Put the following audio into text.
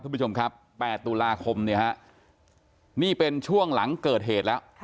คุณผู้ชมครับ๘ตุลาคมเนี่ยฮะนี่เป็นช่วงหลังเกิดเหตุแล้ว